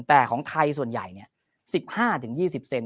แต่ของไทยส่วนใหญ่เนี้ยสิบห้าถึงยี่สิบเซน